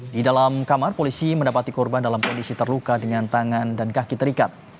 di dalam kamar polisi mendapati korban dalam kondisi terluka dengan tangan dan kaki terikat